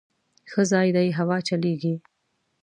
_ښه ځای دی، هوا چلېږي.